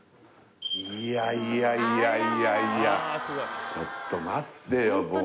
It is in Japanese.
いやいやいやいやちょっと待ってよ